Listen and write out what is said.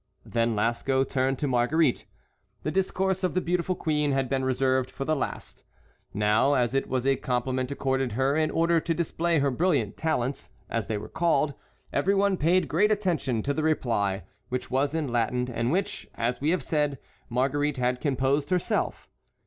Then Lasco turned to Marguerite. The discourse of the beautiful queen had been reserved for the last. Now, as it was a compliment accorded her in order to display her brilliant talents, as they were called, every one paid great attention to the reply, which was in Latin, and which, as we have said, Marguerite had composed herself.